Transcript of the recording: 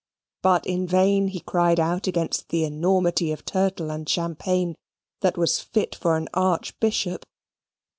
But in vain he cried out against the enormity of turtle and champagne that was fit for an archbishop.